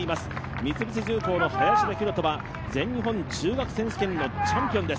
三菱重工の林田洋翔は全日本選手権のチャンピオンです。